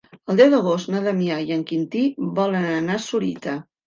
El deu d'agost na Damià i en Quintí volen anar a Sorita.